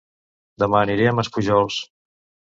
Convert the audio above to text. Dema aniré a Maspujols